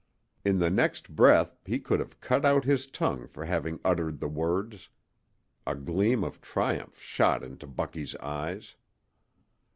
In the next breath he could have cut out his tongue for having uttered the words. A gleam of triumph shot into Bucky's eyes.